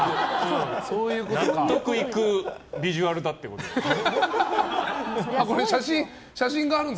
納得いくビジュアルだってことだ。